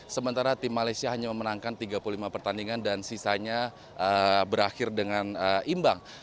sementara tim malaysia hanya memenangkan tiga puluh lima pertandingan dan sisanya berakhir dengan imbang